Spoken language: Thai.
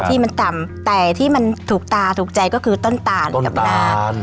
ที่มันต่ำแต่ที่มันถูกตาถูกใจก็คือต้นตาลกับนา